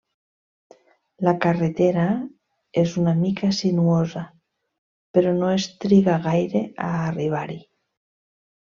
La carretera és una mica sinuosa, però no es triga gaire a arribar-hi.